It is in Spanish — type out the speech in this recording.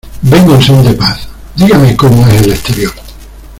Vengo en son de paz. Dígame como es el exterior .